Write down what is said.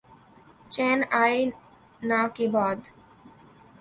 چین آئے نہ کے بعد